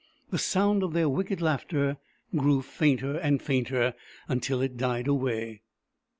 The sound of their wicked laughter grew fainter and fainter until it died away.